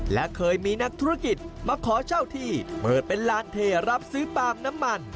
และเคยมีนักธุรกิจมาขอเช่าที่เปิดเป็นลานเทรับซื้อปาล์มน้ำมัน